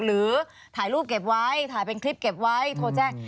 หรือถ่ายรูปเก็บไว้ถ่ายเป็นคลิปเก็บไว้โทรแจ้ง